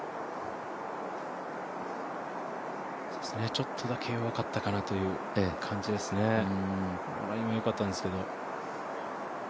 ちょっとだけ弱かったかなという感じですね、ラインは良かったんですけど。